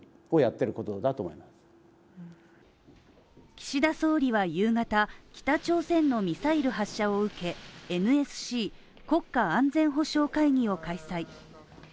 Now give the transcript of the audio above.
岸田総理は夕方、北朝鮮のミサイル発射を受け、ＮＳＣ＝国家安全保障会議を開催。